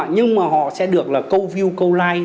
nhưng mà họ sẽ được là câu view câu like